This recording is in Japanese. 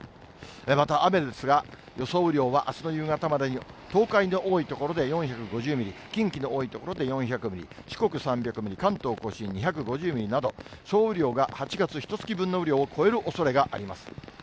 また雨ですが、予想雨量はあすの夕方までに、東海の多い所で４５０ミリ、近畿の多い所で４００ミリ、四国３００ミリ、関東甲信２５０ミリなど、総雨量が８月ひとつき分の雨量を超えるおそれがあります。